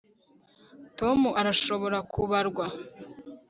tom arashobora kubarwa